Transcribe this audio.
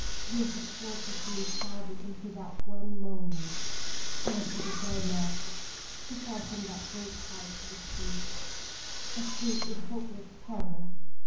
Years of torture seemed crowded into that one moment. I was to be thrown out, to fall from that great height to the street. I shrieked in hopeless terror.